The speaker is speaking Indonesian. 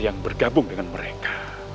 yang bergabung dengan mereka